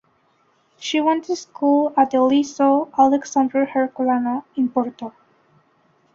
She went to school at the "Liceu Alexandre Herculano" in Porto.